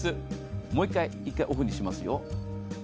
もう一回オフにしますよ。